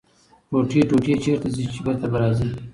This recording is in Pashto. ـ ټوټې ټوټې چېرته ځې ،چې بېرته به راځې.